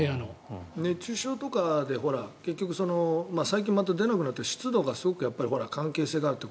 熱中症とかで結局、最近また出なくなって湿度がすごく関係しているって